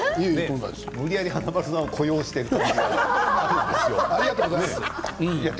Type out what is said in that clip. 無理やり華丸さんを雇用していただいて。